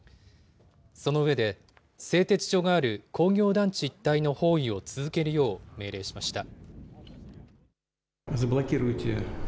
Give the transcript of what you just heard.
その上で、製鉄所がある工場団地一帯の包囲を続けるよう命令しました。